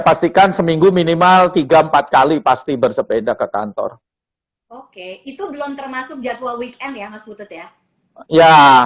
pastikan seminggu minimal tiga empat kali pasti bersepeda ke kantor oke itu belum termasuk jadwal weekend yang